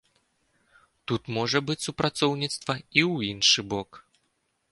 Тут можа быць супрацоўніцтва і ў іншы бок.